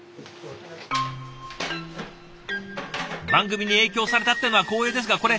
番組に影響されたっていうのは光栄ですがこれ。